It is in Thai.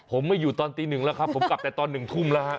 ผมไม่อยู่ตอนตีหนึ่งแล้วครับผมกลับแต่ตอน๑ทุ่มแล้วฮะ